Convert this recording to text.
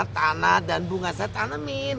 tanah dan bunga saya tanemin